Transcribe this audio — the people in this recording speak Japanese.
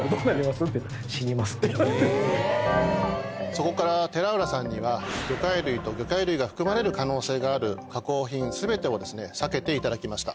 そこから寺裏さんには魚介類と魚介類が含まれる可能性がある加工品全てを避けていただきました。